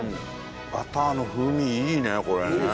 バターの風味いいねこれね。